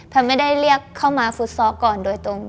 ไม่ได้เรียกเข้ามาฟุตซอลก่อนโดยตรง